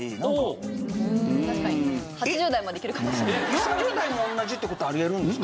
４０代も同じって事あり得るんですか？